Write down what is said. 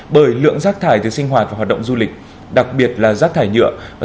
bởi lượng rác thải từ sinh hoạt và hoạt động du lịch đặc biệt là rác thải nhựa